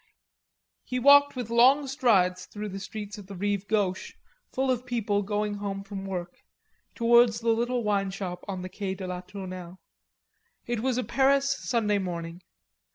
He walked with long strides through the streets of the Rive Gauche full of people going home from work, towards the little wine shop on the Quai de la Tournelle. It was a Paris Sunday morning.